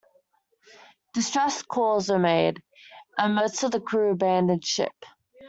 Distress calls were made, and most of the crew abandoned ship.